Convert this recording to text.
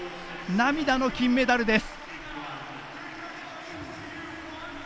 涙の金メダルです！